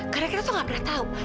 karena kita tuh nggak pernah tahu